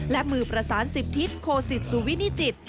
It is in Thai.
และมือประสาน๑๐ทิศโคสิตสุวินิจิต